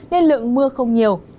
nên lượng mưa không nhiều